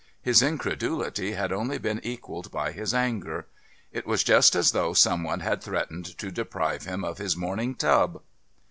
His incredulity had only been equalled by his anger. It was just as though some one had threatened to deprive him of his morning tub....